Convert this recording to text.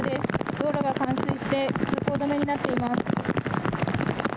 道路が冠水して通行止めになっています。